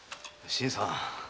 新さん。